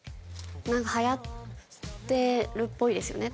なんかはやってるっぽいですよね